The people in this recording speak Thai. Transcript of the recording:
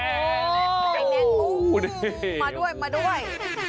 มาด้วย